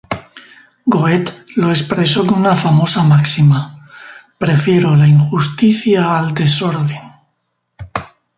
Goethe lo expresó con una famosa máxima: "Prefiero la injusticia al desorden".